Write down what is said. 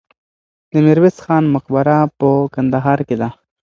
د میرویس خان مقبره په کندهار کې ده.